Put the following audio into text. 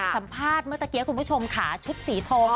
สัมภาษณ์เมื่อตะกี้คุณผู้ชมค่ะชุดสีทอง